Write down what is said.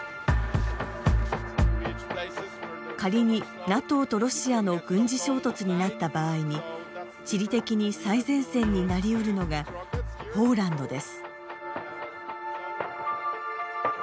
仮にＮＡＴＯとロシアの軍事衝突になった場合に地理的に最前線になりうるのがポーランドです。